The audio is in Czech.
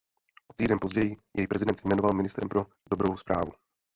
O týden později jej prezident jmenoval ministrem pro dobrou správu.